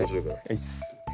ういっす。